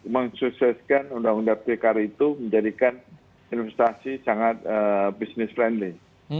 mensukseskan undang undang pkr itu menjadikan investasi sangat business friendly